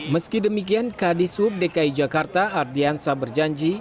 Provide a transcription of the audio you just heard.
meski demikian kd sub dki jakarta ardiansa berjanji